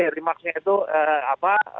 remaksnya itu apa